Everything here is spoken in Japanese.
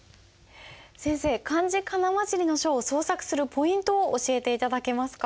先生漢字仮名交じりの書を創作するポイントを教えて頂けますか？